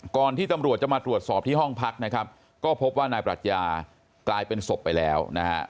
ที่ตำรวจจะมาตรวจสอบที่ห้องพักนะครับก็พบว่านายปรัชญากลายเป็นศพไปแล้วนะฮะ